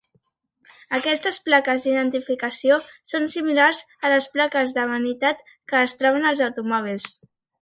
Aquestes plaques d'identificació són similars a les plaques de vanitat que es troben als automòbils.